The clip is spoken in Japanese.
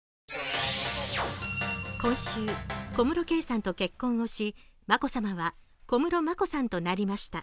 今週、小室圭さんと結婚をし、眞子さまは小室眞子さんとなりました。